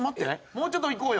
もうちょっといこうよ。